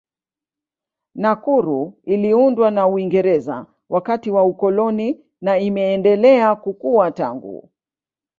Nakuru iliundwa na Uingereza wakati wa ukoloni na imeendelea kukua tangu.